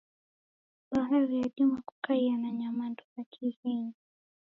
Bahari yadima kukaia na nyamandu ra kighenyi.